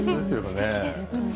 すてきです。